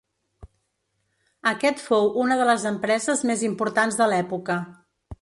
Aquest fou una de les empreses més importants de l'època.